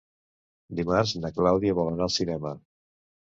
Dimarts na Clàudia vol anar al cinema.